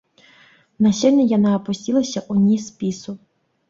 На сёння яна апусцілася ў ніз спісу.